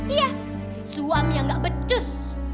iya suami yang ga betus